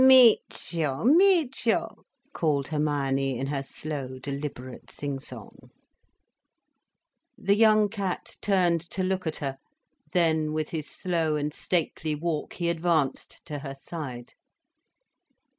"Micio! Micio!" called Hermione, in her slow, deliberate sing song. The young cat turned to look at her, then, with his slow and stately walk he advanced to her side.